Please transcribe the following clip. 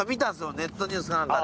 ネットニュースか何かで。